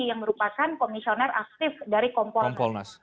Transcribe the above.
yang merupakan komisioner aktif dari kompolnas